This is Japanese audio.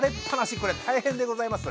こりゃ大変でございます。